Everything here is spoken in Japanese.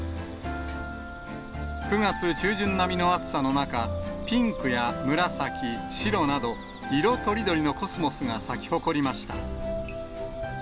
９月中旬並みの暑さの中、ピンクや紫、白など、色とりどりのコスモスが咲き誇りました。